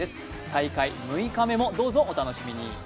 大会６日目もどうぞお楽しみに。